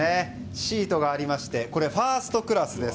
シートがありましてファーストクラスです。